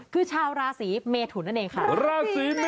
คือชาวราศีเมฑุร์นั่นเองค่ะราศีเมฑุร์น